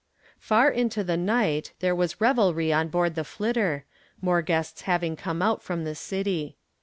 Far into the night there was revelry on board the "Flitter," more guests having come out from the city.